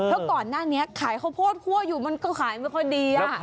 แล้วก่อนหน้านี้ขายข้าวโพดคั่วอยู่มันก็ขายไม่ค่อยดี